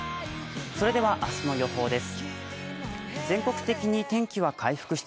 それでは明日の予報です。